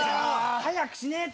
早くしねえと。